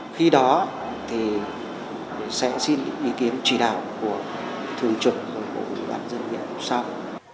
khi đó thì sẽ xin ý kiến chỉ đạo của thường trực của bản dân viện sau